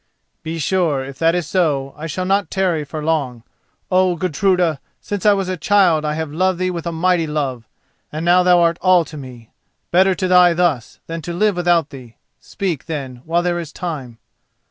"Be sure, if that is so, I shall not tarry for long. Oh! Gudruda, since I was a child I have loved thee with a mighty love, and now thou art all to me. Better to die thus than to live without thee. Speak, then, while there is time."